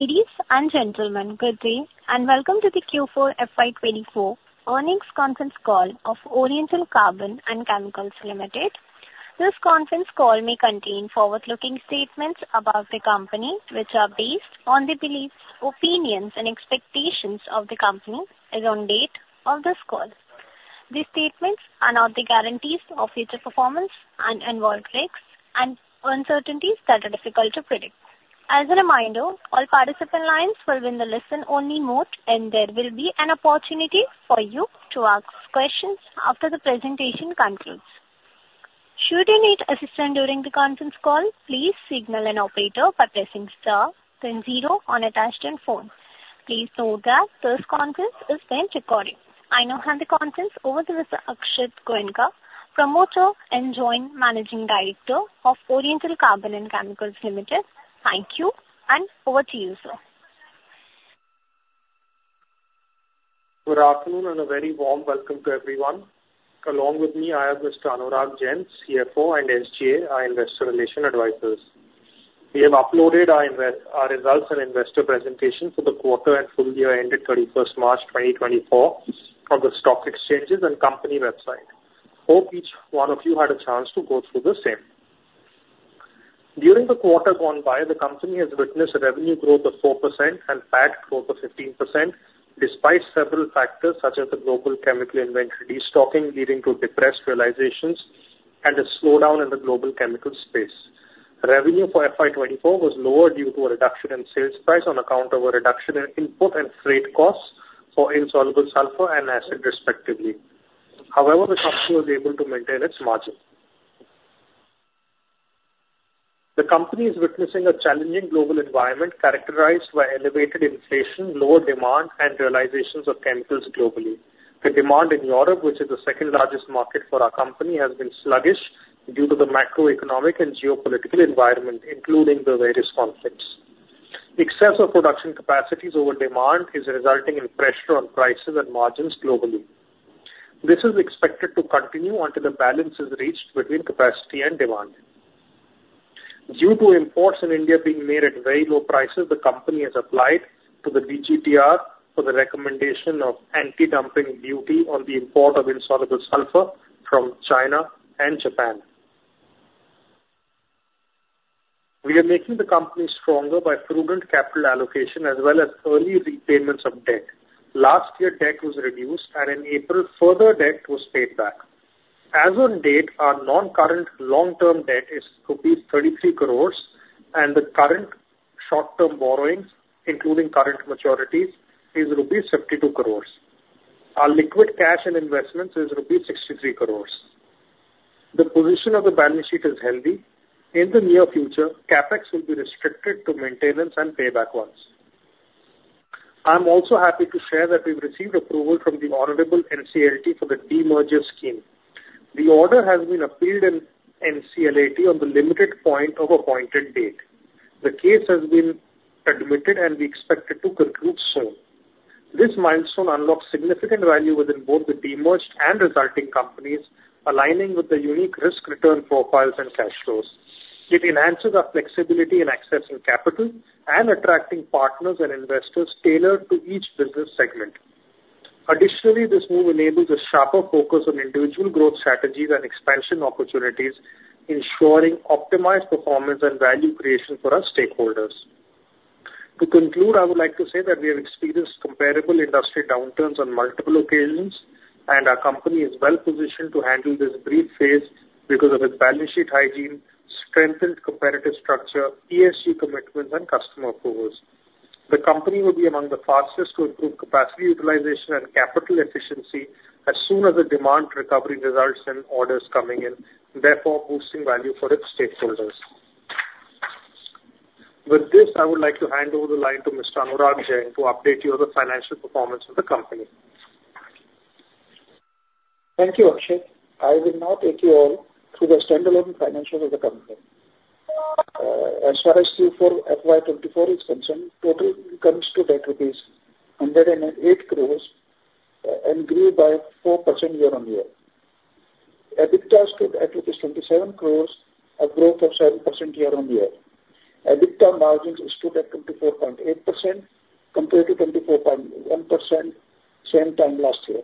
Ladies and gentlemen, good day, and welcome to the Q4 FY24 earnings conference call of Oriental Carbon & Chemicals Limited. This conference call may contain forward-looking statements about the company, which are based on the beliefs, opinions, and expectations of the company as on date of this call. These statements are not the guarantees of future performance and involve risks and uncertainties that are difficult to predict. As a reminder, all participant lines will be in the listen-only mode, and there will be an opportunity for you to ask questions after the presentation concludes. Should you need assistance during the conference call, please signal an operator by pressing star then zero on attached phone. Please note that this conference is being recorded. I now hand the conference over to Mr. Akshat Goenka, Promoter and Joint Managing Director of Oriental Carbon & Chemicals Limited. Thank you, and over to you, sir. Good afternoon, and a very warm welcome to everyone. Along with me, I have Mr. Anurag Jain, CFO, and SGA, our investor relations advisors. We have uploaded our results and investor presentation for the quarter and full year ended 31 March 2024 on the stock exchanges and company website. Hope each one of you had a chance to go through the same. During the quarter gone by, the company has witnessed a revenue growth of 4% and PAT growth of 15%, despite several factors such as the global chemical inventory destocking, leading to depressed realizations and a slowdown in the global chemical space. Revenue for FY 2024 was lower due to a reduction in sales price on account of a reduction in input and freight costs for insoluble sulfur and acid, respectively. However, the company was able to maintain its margin. The company is witnessing a challenging global environment characterized by elevated inflation, lower demand, and realizations of chemicals globally. The demand in Europe, which is the second-largest market for our company, has been sluggish due to the macroeconomic and geopolitical environment, including the various conflicts. Excessive production capacities over demand is resulting in pressure on prices and margins globally. This is expected to continue until the balance is reached between capacity and demand. Due to imports in India being made at very low prices, the company has applied to the DGTR for the recommendation of anti-dumping duty on the import of insoluble sulfur from China and Japan. We are making the company stronger by prudent capital allocation as well as early repayments of debt. Last year, debt was reduced, and in April, further debt was paid back. As on date, our non-current long-term debt is rupees 33 crores, and the current short-term borrowings, including current maturities, is rupees 52 crores. Our liquid cash and investments is rupees 63 crores. The position of the balance sheet is healthy. In the near future, CapEx will be restricted to maintenance and payback loans. I'm also happy to share that we've received approval from the Honorable NCLT for the demerger scheme. The order has been appealed in NCLAT on the limited point of appointed date. The case has been admitted, and we expect it to conclude soon. This milestone unlocks significant value within both the demerged and resulting companies, aligning with the unique risk-return profiles and cash flows. It enhances our flexibility in accessing capital and attracting partners and investors tailored to each business segment. Additionally, this move enables a sharper focus on individual growth strategies and expansion opportunities, ensuring optimized performance and value creation for our stakeholders. To conclude, I would like to say that we have experienced comparable industry downturns on multiple occasions, and our company is well positioned to handle this brief phase because of its balance sheet hygiene, strengthened competitive structure, ESG commitments, and customer prowess. The company will be among the fastest to improve capacity utilization and capital efficiency as soon as the demand recovery results in orders coming in, therefore boosting value for its stakeholders. With this, I would like to hand over the line to Mr. Anurag Jain to update you on the financial performance of the company. Thank you, Akshat. I will now take you all through the standalone financials of the company. As far as Q4 FY 2024 is concerned, total comes to 108 crores, and grew by 4% year-on-year. EBITDA stood at rupees 27 crores, a growth of 7% year-on-year. EBITDA margins stood at 24.8% compared to 24.1% same time last year.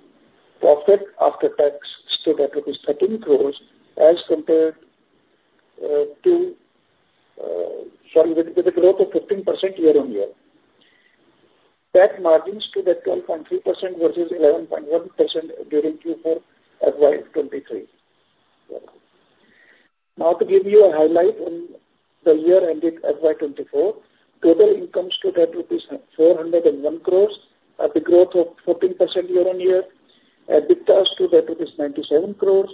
Profit after tax stood at rupees 13 crores, with a growth of 15% year-on-year. PAT margins stood at 12.3% versus 11.1% during Q4 FY 2023. Now, to give you a highlight on the year ended FY 2024, total income stood at rupees 401 crores, at a growth of 14% year-on-year. EBITDA stood at rupees 97 crore,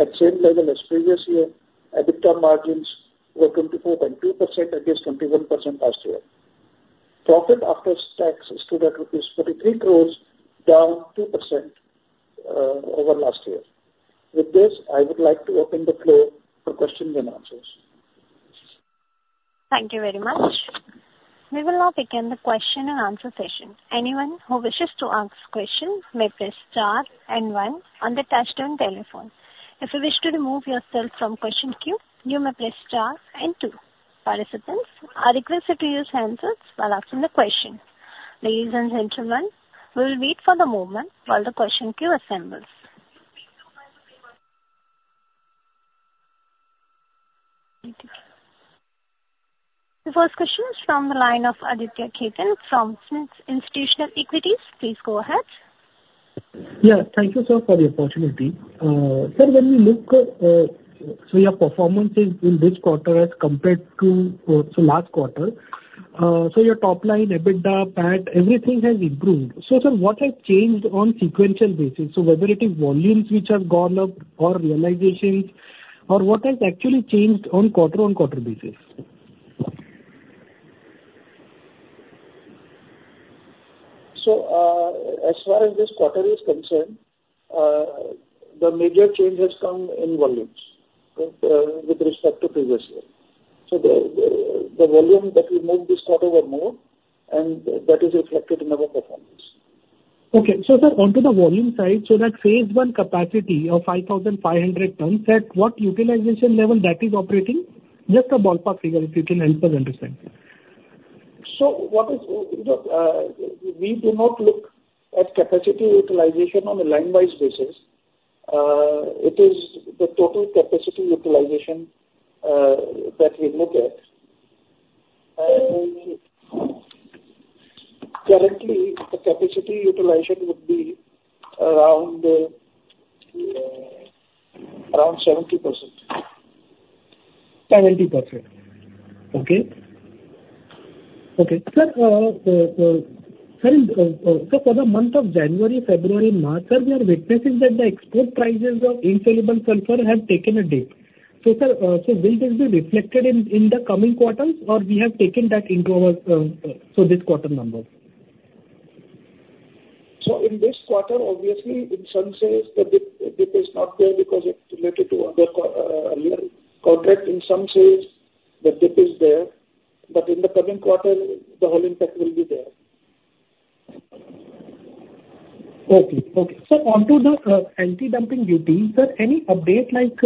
at same level as previous year. EBITDA margins were 24.2% against 21% last year. profit after tax stood at rupees 43 crore, down 2% over last year. With this, I would like to open the floor for questions and answers. Thank you very much. We will now begin the question and answer session. Anyone who wishes to ask question, may press star and one on the touchtone telephone... If you wish to remove yourself from question queue, you may press star and two. Participants are requested to use the handset while asking the question. Ladies and gentlemen, we will wait for the moment while the question queue assembles. The first question is from the line of Aditya Khandelwal from Systematix Institutional Equities. Please go ahead. Yeah, thank you, sir, for the opportunity. Sir, when we look, so your performances in this quarter as compared to, so last quarter, so your top line, EBITDA, PAT, everything has improved. So sir, what has changed on sequential basis? So whether it is volumes which have gone up or realizations, or what has actually changed on quarter on quarter basis? As far as this quarter is concerned, the major change has come in volumes, with respect to previous year. The volume that we made this quarter were more, and that is reflected in our performance. Okay. So sir, onto the volume side, so that phase one capacity of 5,500 tons, at what utilization level that is operating? Just a ballpark figure, if you can help us understand. We do not look at capacity utilization on a line-by-line basis. It is the total capacity utilization that we look at. Currently, the capacity utilization would be around 70%. 70%. Okay. Okay. Sir, sir, so for the month of January, February, March, sir, we are witnessing that the export prices of insoluble sulfur have taken a dip. So, sir, so will this be reflected in, in the coming quarters, or we have taken that into our, so this quarter number? In this quarter, obviously, in some sense the dip is not there because it's related to other earlier contract. In some sense the dip is there, but in the current quarter, the whole impact will be there. Okay. Okay. So onto the, anti-dumping duty, sir, any update like,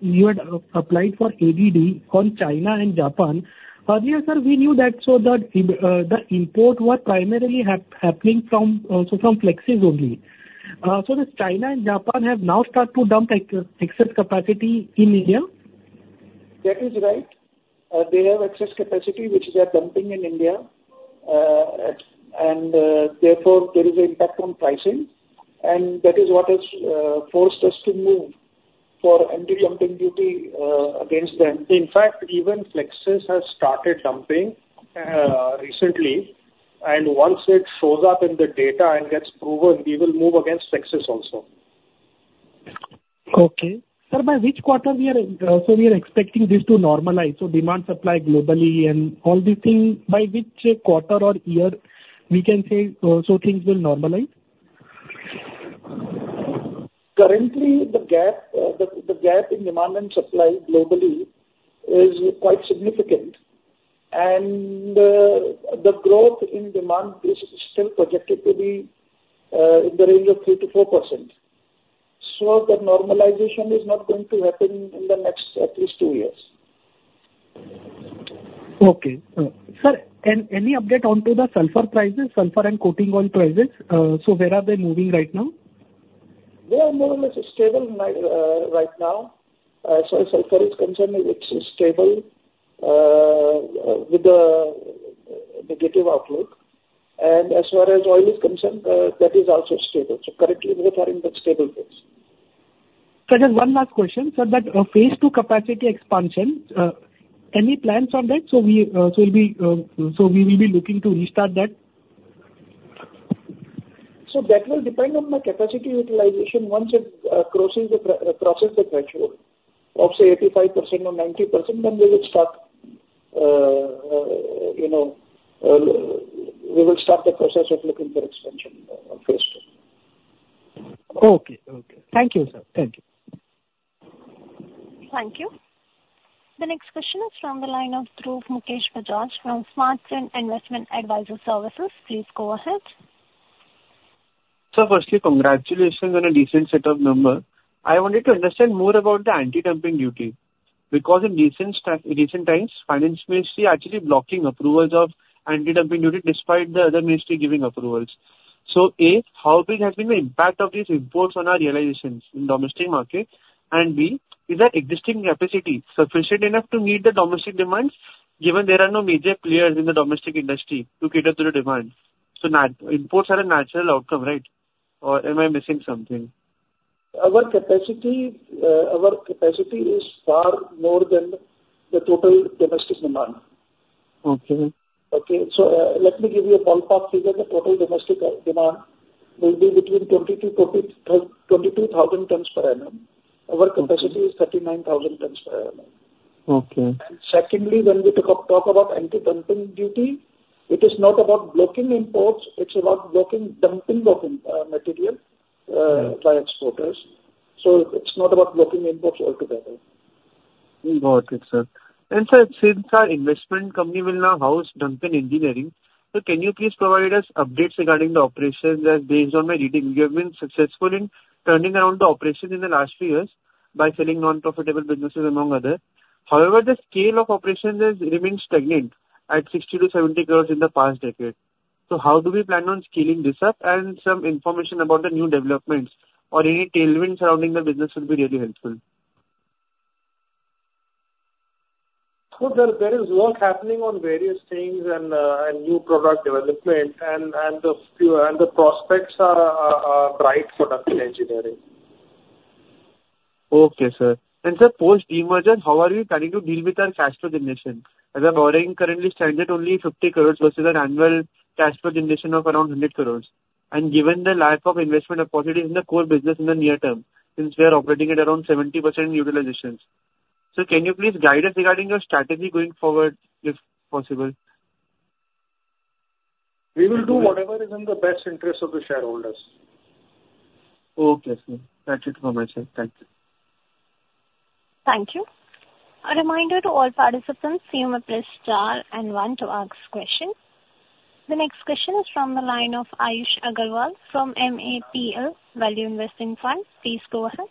you had applied for ADD on China and Japan? Earlier, sir, we knew that so the, the import were primarily happening from, so from Flexsys only. So does China and Japan have now start to dump excess capacity in India? That is right. They have excess capacity, which they are dumping in India. And, therefore, there is an impact on pricing, and that is what has forced us to move for anti-dumping duty against them. In fact, even Flexsys has started dumping recently, and once it shows up in the data and gets proven, we will move against Flexsys also. Okay. Sir, by which quarter we are, so we are expecting this to normalize, so demand, supply globally and all these things, by which quarter or year we can say, so things will normalize? Currently, the gap in demand and supply globally is quite significant, and the growth in demand is still projected to be in the range of 3%-4%. So the normalization is not going to happen in the next at least two years. Okay. Sir, and any update onto the sulfur prices, sulfur and coating oil prices? So where are they moving right now? They are more or less stable right now. So as sulfur is concerned, it's stable with the negative outlook. And as far as oil is concerned, that is also stable. So currently, we are in the stable phase. Sir, just one last question. Sir, that phase two capacity expansion, any plans on that? So we will be looking to restart that? So that will depend on the capacity utilization. Once it crosses the threshold of, say, 85% or 90%, then we will start, you know, we will start the process of looking for expansion of phase two. Okay. Okay. Thank you, sir. Thank you. Thank you. The next question is from the line of Dhruv Bajaj from Smart Sync Services. Please go ahead. Sir, firstly, congratulations on a decent set of number. I wanted to understand more about the anti-dumping duty, because in recent time, recent times, finance ministry actually blocking approvals of anti-dumping duty despite the other ministry giving approvals. So, A, how big has been the impact of these imports on our realizations in domestic market? And, B, is our existing capacity sufficient enough to meet the domestic demands, given there are no major players in the domestic industry to cater to the demand? So, natural imports are a natural outcome, right? Or am I missing something? Our capacity, our capacity is far more than the total domestic demand. Okay. Okay, so, let me give you a ballpark figure. The total domestic demand will be between 20,000-22,000 tons per annum. Our capacity is 39,000 tons per annum. Okay. Secondly, when we talk about anti-dumping duty, it is not about blocking imports. It's about blocking dumping of material by exporters. So it's not about blocking imports altogether.... Very good, sir. And sir, since our investment company will now house Duncan Engineering, so can you please provide us updates regarding the operations? As based on my reading, you have been successful in turning around the operation in the last few years by selling non-profitable businesses, among other. However, the scale of operations has remained stagnant at 60 crore-70 crore in the past decade. So how do we plan on scaling this up? And some information about the new developments or any tailwinds surrounding the business would be really helpful. So there is work happening on various things and new product development, and the prospects are bright for Duncan Engineering. Okay, sir. Sir, post demerger, how are you planning to deal with our cash flow generation? As our borrowing currently stands at only 50 crore versus an annual cash flow generation of around 100 crore, and given the lack of investment opportunity in the core business in the near term, since we are operating at around 70% utilizations. Sir, can you please guide us regarding your strategy going forward, if possible? We will do whatever is in the best interest of the shareholders. Okay, sir. That's it from my side. Thank you. Thank you. A reminder to all participants, you may press star and one to ask questions. The next question is from the line of Ayush Agrawal from MAPL Value Investing Funds. Please go ahead.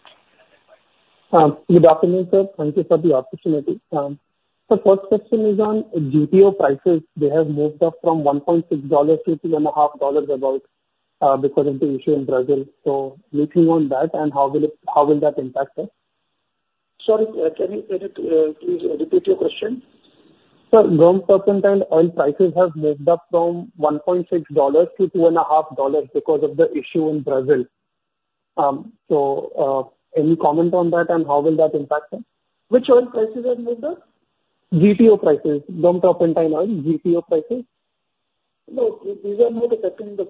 Good afternoon, sir. Thank you for the opportunity. So first question is on CPO prices. They have moved up from $1.6 to $2.5 above, because of the issue in Brazil. So looking on that, and how will it, how will that impact us? Sorry, can you, can you, please repeat your question? Sir, LNG prices and oil prices have moved up from $1.6 to $2.5 because of the issue in Brazil. Any comment on that, and how will that impact them? Which oil prices have moved up? CPO prices, palm cooking oil, CPO prices. No, these are not affecting the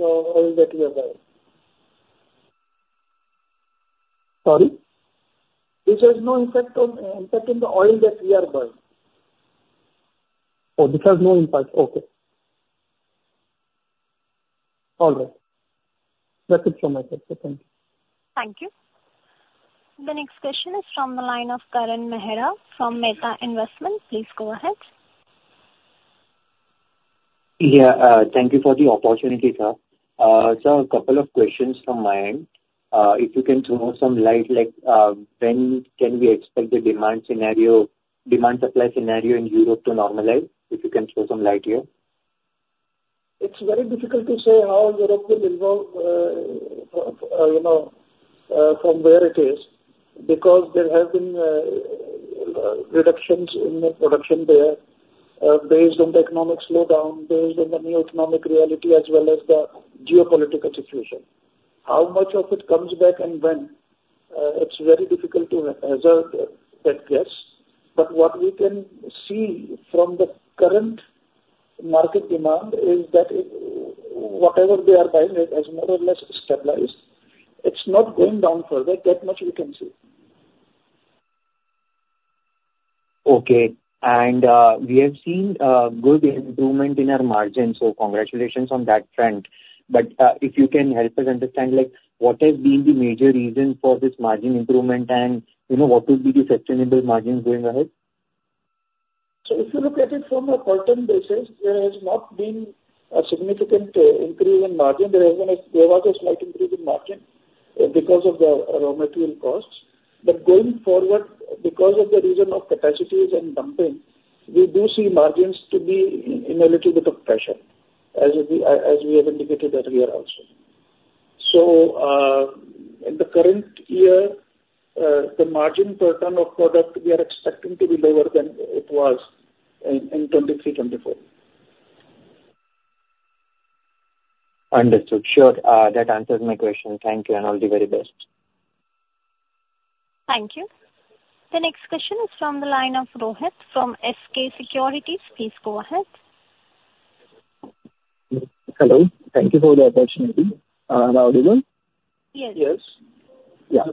oil that we are buying. Sorry? This has no impact on impacting the oil that we are buying. Oh, this has no impact. Okay. All right. That's it from my side, sir. Thank you. Thank you. The next question is from the line of Karan Mehra from Mehta Investments. Please go ahead. Yeah. Thank you for the opportunity, sir. So a couple of questions from my end. If you can throw some light, like, when can we expect the demand scenario, demand-supply scenario in Europe to normalize? If you can throw some light here. It's very difficult to say how Europe will evolve, you know, from where it is, because there have been reductions in the production there, based on the economic slowdown, based on the new economic reality, as well as the geopolitical situation. How much of it comes back and when, it's very difficult to hazard a guess. But what we can see from the current market demand is that it, whatever they are buying, it has more or less stabilized. It's not going down further. That much we can say. Okay. We have seen good improvement in our margins, so congratulations on that front. But, if you can help us understand, like, what has been the major reason for this margin improvement, and, you know, what will be the sustainable margins going ahead? So if you look at it from a quarter basis, there has not been a significant, increase in margin. There has been a, there was a slight increase in margin, because of the raw material costs. But going forward, because of the reason of capacities and dumping, we do see margins to be in, in a little bit of pressure, as we, as we have indicated earlier also. So, in the current year, the margin per ton of product, we are expecting to be lower than it was in, in 2023, 2024. Understood. Sure, that answers my question. Thank you, and all the very best. Thank you. The next question is from the line of Rohit from SKP Securities. Please go ahead. Hello. Thank you for the opportunity. Am I audible? Yes. Yes. Yeah.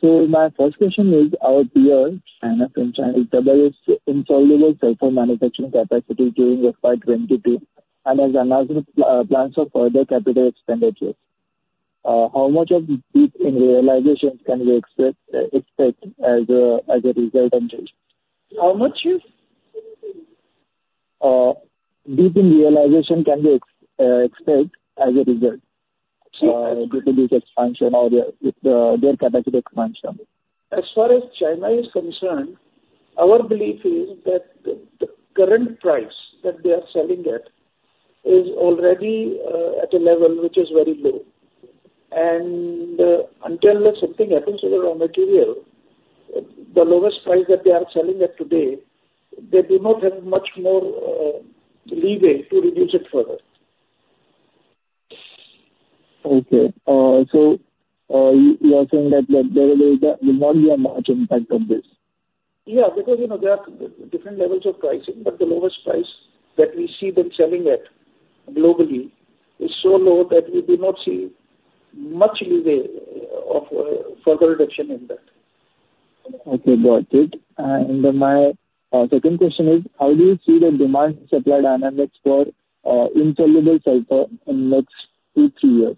So my first question is our dear China subsidiary is insoluble sulfur manufacturing capacity during the FY 2022, and has announced plans for further capital expenditures. How much of this in realizations can we expect as a result of this? How much you? Dip in realization, can we expect as a result? Sorry. Due to this expansion or the, with, their capacity expansion. As far as China is concerned, our belief is that the current price that they are selling at is already at a level which is very low. Until something happens to the raw material, the lowest price that they are selling at today, they do not have much more leeway to reduce it further. Okay. So, you are saying that there will not be a large impact on this? Yeah, because, you know, there are different levels of pricing, but the lowest price that we see them selling at globally is so low that we do not see much leeway of further reduction in that. Okay, got it. And then my second question is: How do you see the demand supply dynamics for insoluble sulfur in next 2-3 years?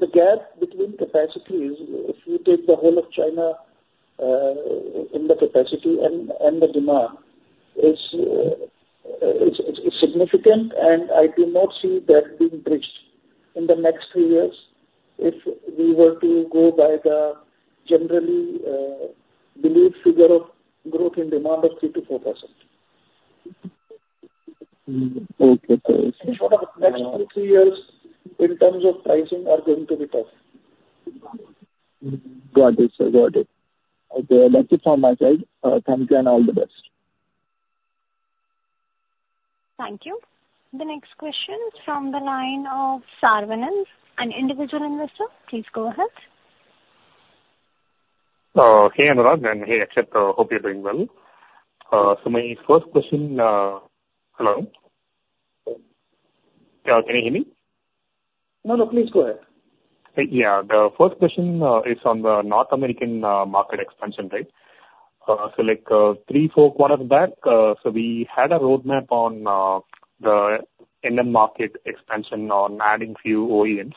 ...The gap between capacities, if you take the whole of China, in the capacity and the demand, is significant, and I do not see that being bridged in the next three years if we were to go by the generally believed figure of growth in demand of 3%-4%. Okay, so- Next 2-3 years in terms of pricing are going to be tough. Got it, sir. Got it. Okay, that's it from my side. Thank you, and all the best. Thank you. The next question from the line of Saravanan, an individual investor. Please go ahead. Hey, Anurag, and hey, Akshay. Hope you're doing well. So my first question... Hello? Yeah, can you hear me? No, no, please go ahead. Yeah. The first question is on the North American market expansion, right? So like, 3-4 quarters back, so we had a roadmap on the end market expansion on adding few OEMs.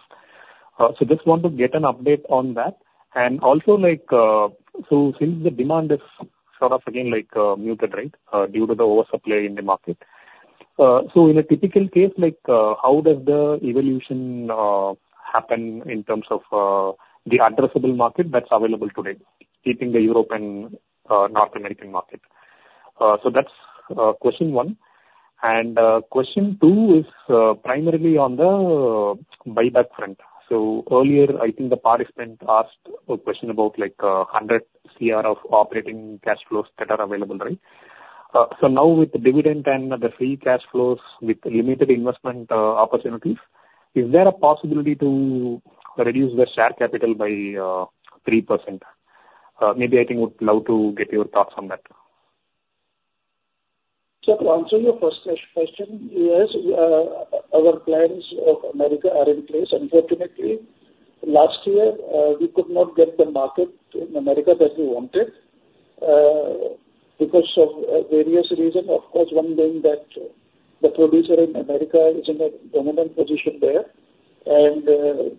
So just want to get an update on that. And also, like, so since the demand is sort of again, like, muted, right, due to the oversupply in the market. So in a typical case, like, how does the evolution happen in terms of the addressable market that's available today, keeping the European North American market? So that's question one. And question two is primarily on the buyback front. So earlier, I think the participant asked a question about, like, 100 crore of operating cash flows that are available, right? So now with the dividend and the free cash flows, with limited investment opportunities, is there a possibility to reduce the share capital by 3%? Maybe I think would love to get your thoughts on that. So to answer your first question, yes, our plans of America are in place. Unfortunately, last year, we could not get the market in America that we wanted, because of various reasons. Of course, one being that the producer in America is in a dominant position there, and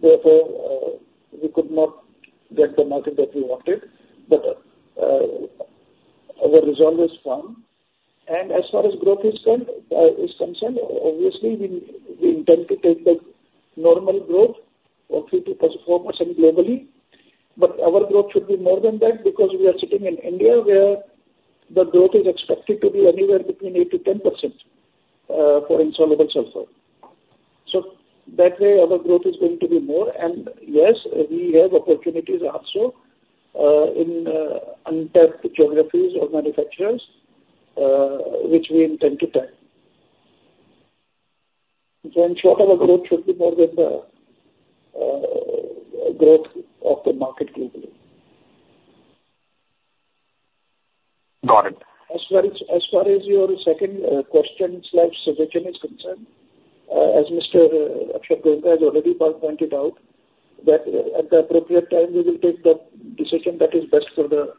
therefore, we could not get the market that we wanted. But our resolve is firm. And as far as growth is concerned, obviously, we intend to take the normal growth of 3%-4% globally, but our growth should be more than that, because we are sitting in India, where the growth is expected to be anywhere between 8%-10%, for insoluble sulfur. So that way, our growth is going to be more, and yes, we have opportunities also in untapped geographies or manufacturers, which we intend to tap. Then sort of our growth should be more than the growth of the market globally. Got it. As far as your second question slash suggestion is concerned, as Mr. Akshat Goenka has already pointed out, that at the appropriate time, we will take the decision that is best for the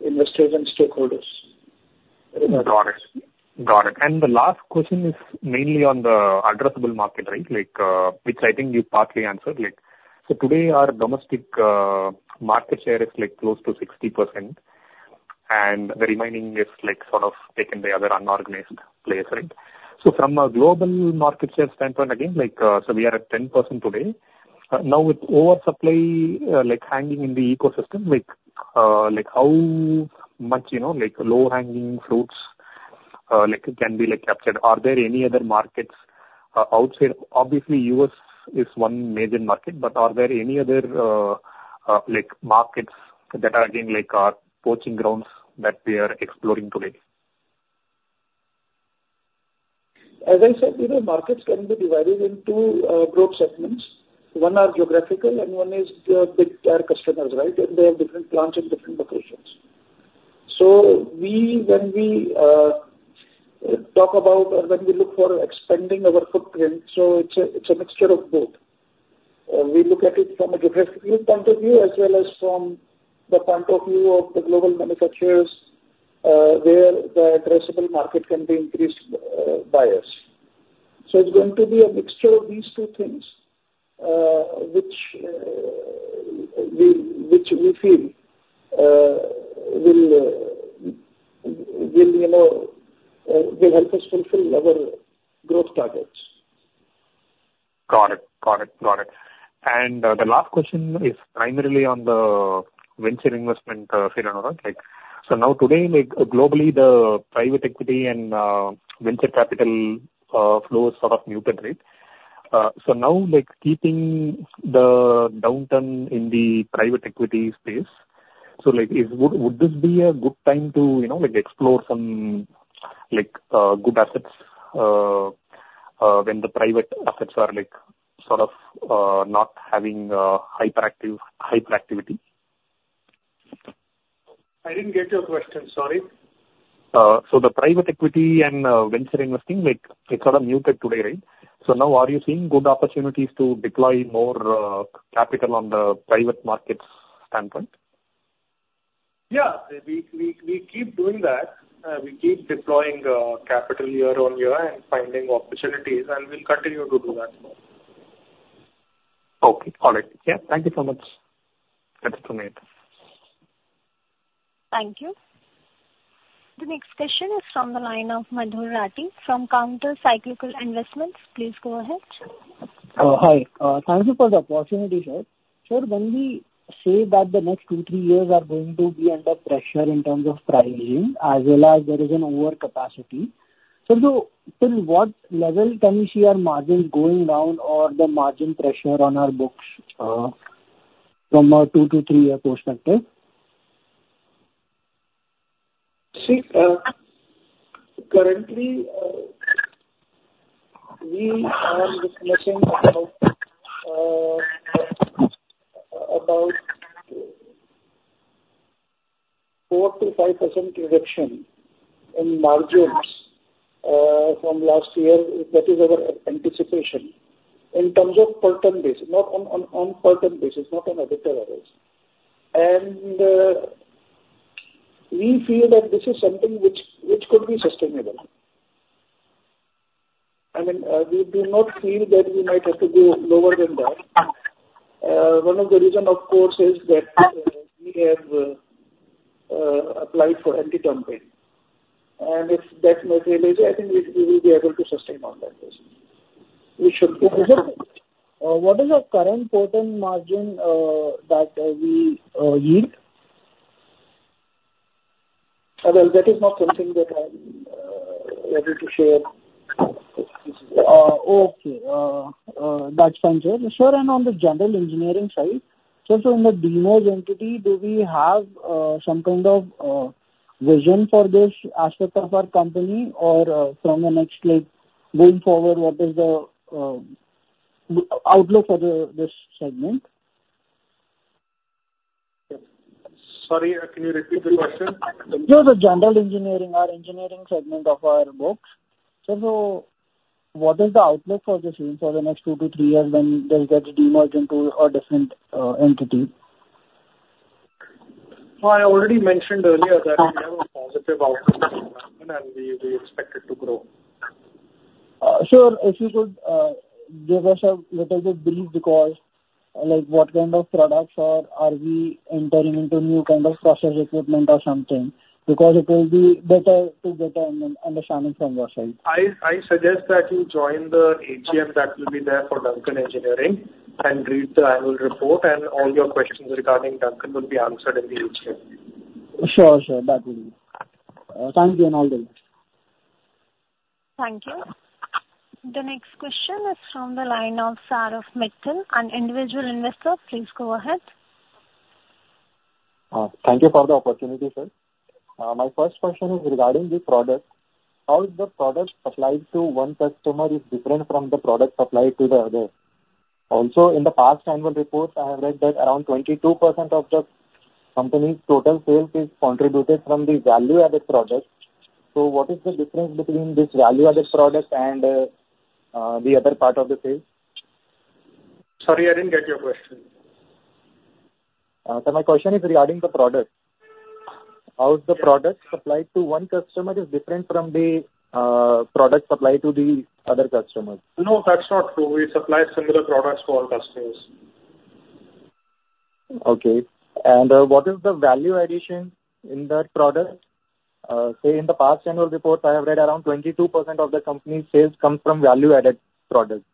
investors and stakeholders. Got it. Got it. And the last question is mainly on the addressable market, right? Like, which I think you partly answered. Like, so today, our domestic, market share is, like, close to 60%, and the remaining is, like, sort of taken by other unorganized players, right? So from a global market share standpoint, again, like, so we are at 10% today. Now with oversupply, like, hanging in the ecosystem, like, like how much, you know, like, low-hanging fruits, like, can be, like, captured? Are there any other markets, outside? Obviously, US is one major market, but are there any other, like, markets that are, again, like, are poaching grounds that we are exploring today? As I said, you know, markets can be divided into geographic segments. One are geographical, and one is the big tire customers, right? And they have different plants in different locations. So we, when we talk about or when we look for expanding our footprint, so it's a, it's a mixture of both. We look at it from a geographic viewpoint of view, as well as from the point of view of the global manufacturers, where the addressable market can be increased by us. So it's going to be a mixture of these two things, which we feel will, you know, will help us fulfill our growth targets. Got it. Got it, got it. And the last question is primarily on the venture investment, Anurag. Like, so now today, like, globally, the private equity and venture capital flows sort of muted, right? So now, like, keeping the downturn in the private equity space, so like, is would this be a good time to, you know, like, explore some like good assets when the private assets are like, sort of not having hyperactive, hyperactivity? I didn't get your question, sorry. So the private equity and venture investing, like, it's sort of muted today, right? So now are you seeing good opportunities to deploy more capital on the private markets standpoint? ... Yeah, we keep doing that. We keep deploying capital year on year and finding opportunities, and we'll continue to do that. Okay, all right. Yeah, thank you so much. Thanks so much. Thank you. The next question is from the line of Madhur Rathi from Counter Cyclical Investments. Please go ahead. Hi. Thank you for the opportunity, sir. Sir, when we say that the next 2-3 years are going to be under pressure in terms of pricing, as well as there is an overcapacity, so till what level can we see our margins going down or the margin pressure on our books, from a 2-3 year perspective? See, currently, we are discussing about about 4%-5% reduction in margins from last year. That is our anticipation. In terms of per ton basis, not on per ton basis, not on a better basis. And we feel that this is something which could be sustainable. I mean, we do not feel that we might have to go lower than that. One of the reason, of course, is that we have applied for anti-dumping, and if that materializes, I think we will be able to sustain on that basis. We should be. What is our current per ton margin that we yield? Well, that is not something that I'm able to share. Okay. That's fine, sir. Sir, and on the general engineering side, sir, so in the demerged entity, do we have some kind of vision for this aspect of our company? Or, from the next, like, going forward, what is the outlook for this segment? Sorry, can you repeat the question? Sure. The general engineering or engineering segment of our books. Sir, so what is the outlook for this unit for the next 2-3 years when does that demerge into a different entity? I already mentioned earlier that we have a positive outlook, and we expect it to grow. Sir, if you could give us a little bit brief because, like, what kind of products or are we entering into new kind of process equipment or something? Because it will be better to get an understanding from your side. I suggest that you join the AGM that will be there for Duncan Engineering and read the annual report, and all your questions regarding Duncan will be answered in the AGM. Sure, sure, that will do. Thank you, and all the best. Thank you. The next question is from the line of Saurabh Mittal, an individual investor. Please go ahead. Thank you for the opportunity, sir. My first question is regarding the product. How is the product supplied to one customer is different from the product supplied to the other? Also, in the past annual reports, I have read that around 22% of the company's total sales is contributed from the value-added product. So what is the difference between this value-added product and the other part of the sales? Sorry, I didn't get your question. My question is regarding the product. How is the product supplied to one customer different from the product supplied to the other customers? No, that's not true. We supply similar products to all customers. Okay. And, what is the value addition in that product? Say, in the past annual reports, I have read around 22% of the company's sales come from value-added products.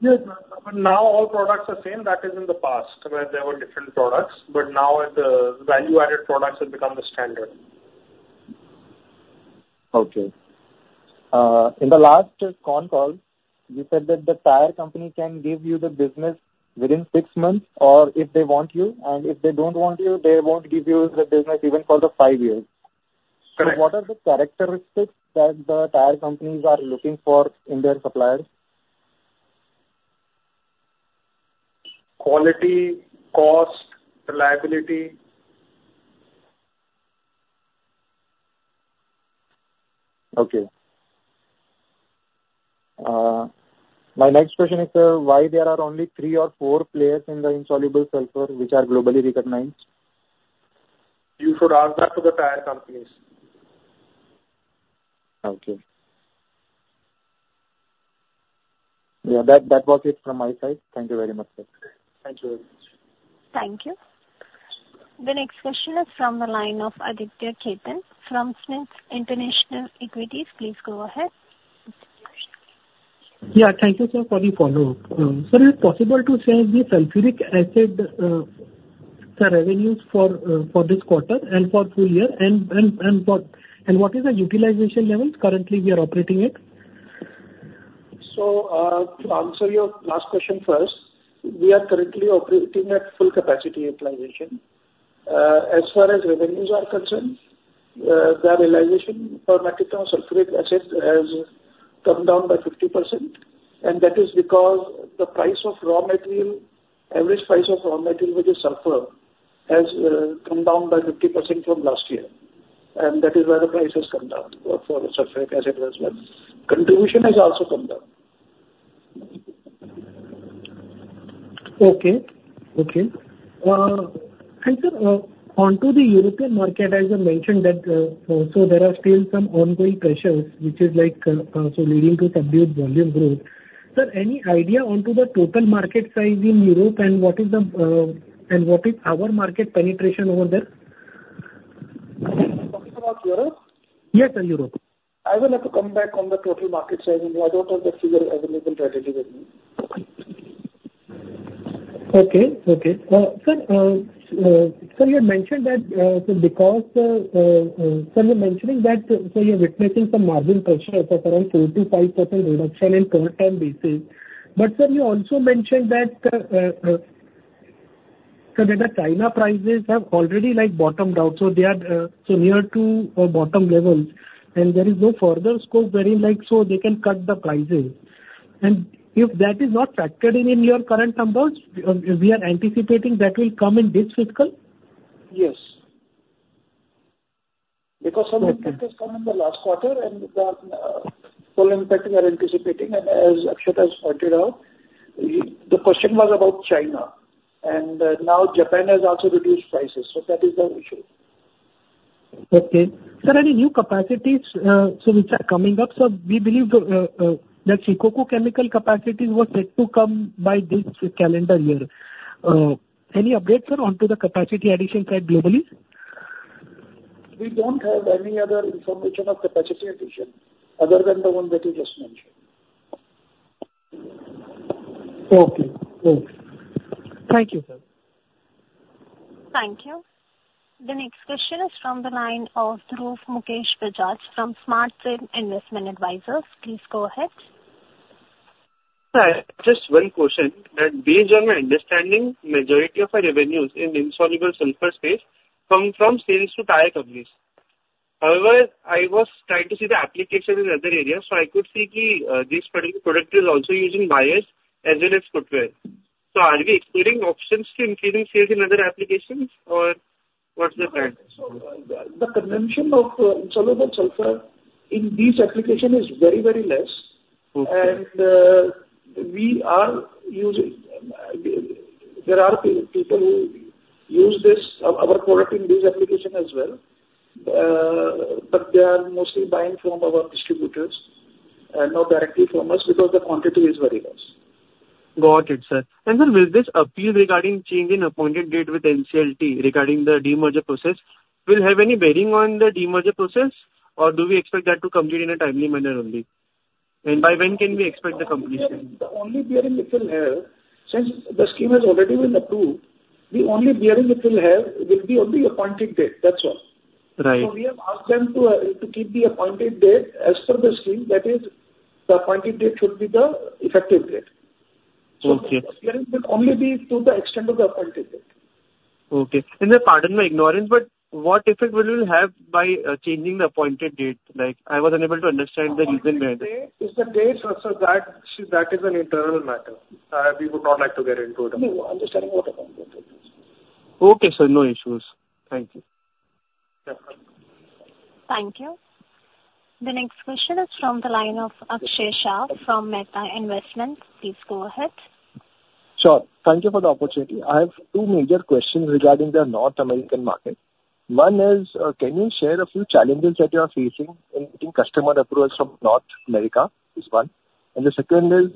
Yes, but now all products are same. That is in the past, where there were different products, but now the value-added products have become the standard. Okay. In the last con call, you said that the tire company can give you the business within six months, or if they want you, and if they don't want you, they won't give you the business even for the five years. Correct. So what are the characteristics that the tire companies are looking for in their suppliers? Quality, cost, reliability. Okay. My next question is, why there are only three or four players in the insoluble sulfur, which are globally recognized? You should ask that to the tire companies. Okay. Yeah, that, that was it from my side. Thank you very much, sir. Thank you very much. Thank you. The next question is from the line of Aditya Khetan from SMIFS Limited. Please go ahead. Yeah, thank you, sir, for the follow-up. Sir, is it possible to share the sulfuric acid revenues for this quarter and for full year and what is the utilization levels currently we are operating at? So, to answer your last question first, we are currently operating at full capacity utilization. As far as revenues are concerned, the realization for our sulfuric acid has come down by 50%, and that is because the price of raw material, average price of raw material, which is sulfur, has come down by 50% from last year, and that is why the price has come down for the sulfuric acid as well. Contribution has also come down.... Okay, okay. Hi, sir, onto the European market, as you mentioned that, so there are still some ongoing pressures, which is like, so leading to subdued volume growth. Sir, any idea onto the total market size in Europe, and what is the, and what is our market penetration over there? Talking about Europe? Yes, sir, Europe. I will have to come back on the total market size. I don't have the figure available readily with me. Okay, okay. Sir, sir, you had mentioned that, so because, sir, you're mentioning that, so you're witnessing some margin pressure of around 4%-5% reduction in quarter 10 basis. But sir, you also mentioned that, sir, that the China prices have already like bottomed out, so they are, so near to or bottom levels, and there is no further scope wherein, like, so they can cut the prices. And if that is not factored in in your current numbers, we are anticipating that will come in this fiscal? Yes. Because some impact has come in the last quarter, and the full impact we are anticipating, and as Akshat has pointed out, the question was about China, and now Japan has also reduced prices, so that is the issue. Okay. Sir, any new capacities, so which are coming up, sir? We believe the, that Shikoku Chemicals capacities were set to come by this calendar year. Any updates are onto the capacity addition side globally? We don't have any other information of capacity addition other than the one that you just mentioned. Okay. Okay. Thank you, sir. Thank you. The next question is from the line of Dhruv Bajaj from Smart Sync Services. Please go ahead. Hi, just one question, that based on my understanding, majority of our revenues in insoluble sulfur space come from sales to tire companies. However, I was trying to see the application in other areas, so I could see that this particular product is also used in tires as well as footwear. So are we exploring options to increasing sales in other applications, or what's the plan? So the consumption of insoluble sulfur in these application is very, very less. Okay. We are using, there are people who use this, our product in this application as well. But they are mostly buying from our distributors and not directly from us because the quantity is very less. Got it, sir. And sir, will this appeal regarding change in appointed date with NCLT regarding the demerger process, will have any bearing on the demerger process, or do we expect that to complete in a timely manner only? And by when can we expect the completion? The only bearing it will have, since the scheme has already been approved, the only bearing it will have will be on the Appointed Date. That's all. Right. So we have asked them to keep the Appointed Date as per the scheme. That is, the Appointed Date will be the effective date. Okay. It will only be to the extent of the Appointed Date. Okay. And then, pardon my ignorance, but what effect will it have by changing the appointed date? Like, I was unable to understand the reason behind it. It's the date, so that is an internal matter. We would not like to get into it. No, understanding. Okay, sir, no issues. Thank you. Yeah. Thank you. The next question is from the line of Akshay Shah from Mehta Investments. Please go ahead. Sure. Thank you for the opportunity. I have two major questions regarding the North American market. One is, can you share a few challenges that you are facing in getting customer approvals from North America? This one. And the second is,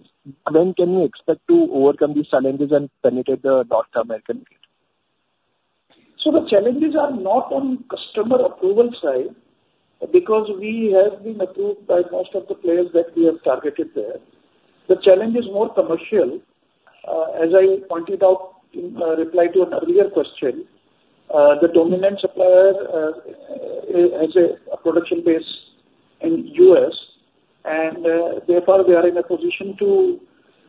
when can we expect to overcome these challenges and penetrate the North American market? So the challenges are not on customer approval side, because we have been approved by most of the players that we have targeted there. The challenge is more commercial. As I pointed out in reply to an earlier question, the dominant supplier has a production base in U.S., and therefore, they are in a position to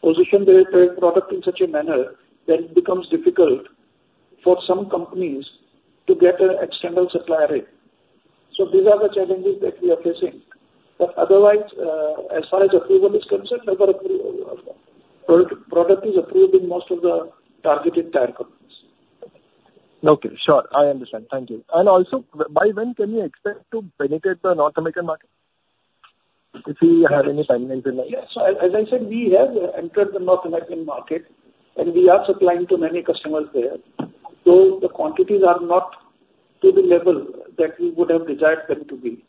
position their trade product in such a manner that it becomes difficult for some companies to get an external supplier in. So these are the challenges that we are facing. But otherwise, as far as approval is concerned, our product is approved in most of the targeted tire companies. Okay, sure. I understand. Thank you. And also, by when can we expect to penetrate the North American market, if we have any timelines in mind? Yes. So as I said, we have entered the North American market, and we are supplying to many customers there, though the quantities are not to the level that we would have desired them to be.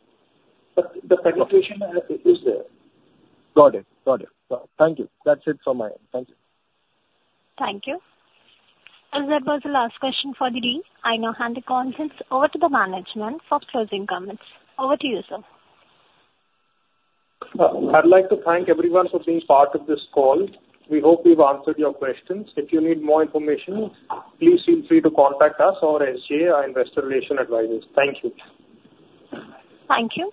But the penetration is there. Got it. Got it. Thank you. That's it from my end. Thank you. Thank you. That was the last question for the day. I now hand the conference over to the management for closing comments. Over to you, sir. I'd like to thank everyone for being part of this call. We hope we've answered your questions. If you need more information, please feel free to contact us or SGA, our investor relations advisors. Thank you. Thank you.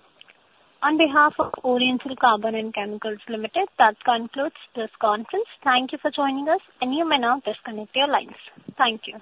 On behalf of Oriental Carbon and Chemicals Limited, that concludes this conference. Thank you for joining us, and you may now disconnect your lines. Thank you.